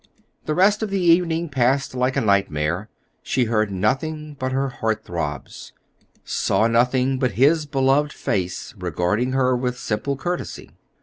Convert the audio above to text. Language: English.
The rest of the evening passed like a nightmare; she heard nothing but her heart throbs, saw nothing but his beloved face regarding her with simple courtesy.